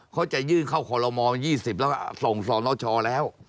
เขาจะยื่นเข้าคอลโลม๒๐แล้วส่งสนชแล้ว